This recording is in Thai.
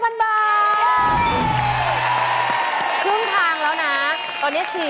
ครึ่งทางแล้วนะตอนนี้๔๐